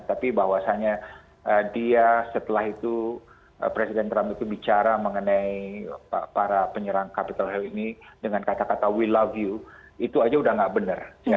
tapi bahwasanya dia setelah itu presiden trump itu bicara mengenai para penyerang capital health ini dengan kata kata we love you itu aja udah nggak benar